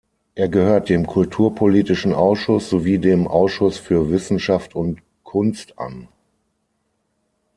Er gehört dem Kulturpolitischen Ausschuss sowie dem Ausschuss für Wissenschaft und Kunst an.